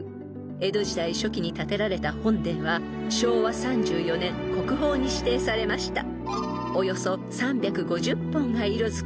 ［江戸時代初期に建てられた本殿は昭和３４年国宝に指定されました］